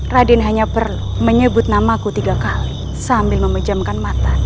raden hanya menyebut namaku tiga kali sambil memejamkan mata